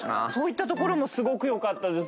そういったところも良かった。